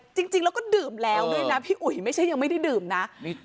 จริงแล้วก็ดื่มแล้วด้วยนะพี่อุ๋ยไม่ใช่ยังไม่ได้ดื่มนะ